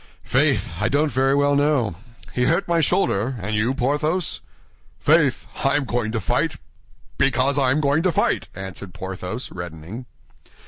"Faith! I don't very well know. He hurt my shoulder. And you, Porthos?" "Faith! I am going to fight—because I am going to fight," answered Porthos, reddening.